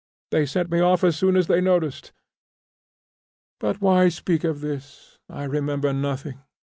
They sent me off as soon as they noticed. But why speak of this? I remember nothing.